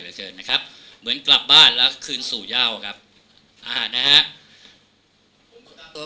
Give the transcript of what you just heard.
เดี๋ยวเชิญนะครับเหมือนกลับบ้านแล้วคืนสู่ย่าวครับอ่านะฮะ